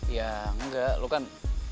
ya enggak lo kan